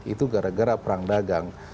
itu gara gara perang dagang